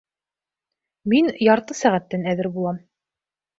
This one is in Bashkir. Мин ярты сәғәттән әҙер булам.